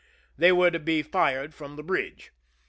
They were to be fired from the bridge.